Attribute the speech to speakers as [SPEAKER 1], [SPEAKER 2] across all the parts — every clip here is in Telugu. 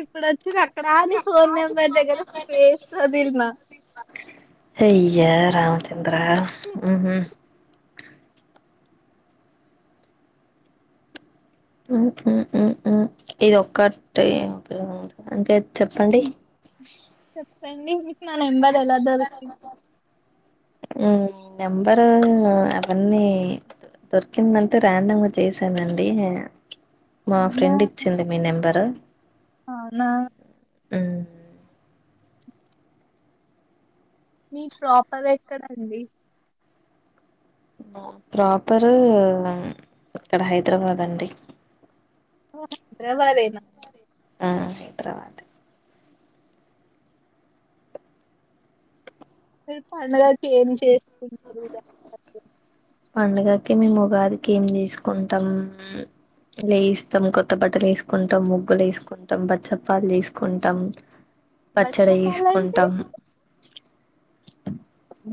[SPEAKER 1] ఇప్పుడు వచ్చింది అక్కడ అని ఫోన్ నెంబర్ దగ్గర స్పేస్ వొదిల్నా
[SPEAKER 2] అయ్యా రామ చాన్ ఇంకా రా, ఉహ్మ్. ఉమ్ ఉమ్ ఉమ్ ఉమ్, ఇది ఒకటే ఏం ఉపయోగం అవదు అంటే త. చెప్పండి?
[SPEAKER 1] చెప్పండి మీకు నా నంబర్ ఎలా దొరికింది?
[SPEAKER 2] మీ నంబరూ ఆ అవని దొరికింది అంటే ర్యాండమ్‌గా చేశాను అండి, యా. మా
[SPEAKER 1] అవునా
[SPEAKER 2] ఫ్రెండ్ ఇచ్చింది, మీ నెంబరు.
[SPEAKER 1] అవునా.
[SPEAKER 2] ఉమ్.
[SPEAKER 1] మీ ప్రాపర్ ఎక్కడండి?
[SPEAKER 2] మా ప్రాపరు ఇక్కడ హైదరాబాద్ అండి.
[SPEAKER 1] డ్రైవర్ ఏనా?
[SPEAKER 2] ఆ హైదరాబాద్.
[SPEAKER 1] మీరూ పండగలకి ఏం జేస?
[SPEAKER 2] లో [unintelligible] పండగకి మేము ఉగాదికి ఏం చేసుకుంటాం? లేస్తాం కొత్త బట్టలు వేసుకుంటాం, ముగ్గులు వేసుకుంటాం, బచ్చాల పాల్ చేసుకుంటాం. పచ్చడ
[SPEAKER 1] బచ్చపాలంటే
[SPEAKER 2] జేసుకుంటాం.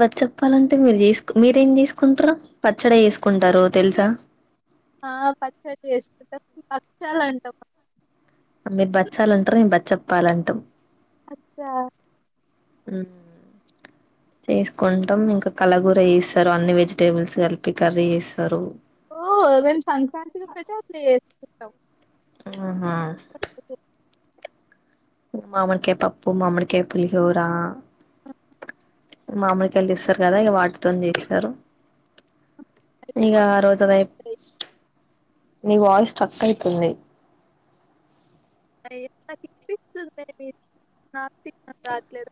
[SPEAKER 2] బచ్చాల పాల ఆన్. టే మీరు చేసుకో... మీరేం చేసుకుంటారు? పత పచ్చడ వేసుకుంటారో తెలుసా?
[SPEAKER 1] ఆ పచ్చడి చేసుకుంటాం భక్షాలు అంటా.
[SPEAKER 2] మీరు బచ్చాలు అంటారు, మేము బచ్చపల్ల అంటాం.
[SPEAKER 1] అచ్చా.
[SPEAKER 2] హ్మ్మ్, చేసుకుంటాం ఇంకా కలగూర వస్తారు, అన్ని వెజిటేబుల్స్ కలిపి కర్రీ చేస్తారు.
[SPEAKER 1] ఓ మేమ్ సంక్రాంతికి [unintelligible] ఇత్తం
[SPEAKER 2] ఆహా మామిడికాయ పప్పు, మామిడికాయ పులిహోర. మామిడికాయలు తెస్తారు కదా, ఇగ వాటితో చేస్తారు.
[SPEAKER 1] అయితే
[SPEAKER 2] ఇగ
[SPEAKER 1] మొత్తం
[SPEAKER 2] ఆరువుతుంది. నీ వాయిస్ స్టక్ అవుతుంది.?
[SPEAKER 1] ఆ [unintelligible] ఎట్లా తీపి [unintelligible] తీపి [unintelligible] రాట్లేదు.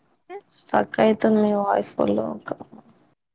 [SPEAKER 2] స్టక్ అయితుంది మీ వాయిస్ ఫుల్ ఇంకా.